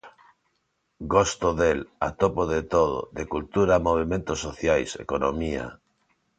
Gosto del, atopo de todo, de cultura a movementos sociais, economía...